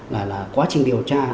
là quá trình điều tra